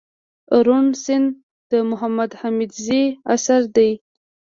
روڼ سيند دمحمود حميدزي اثر دئ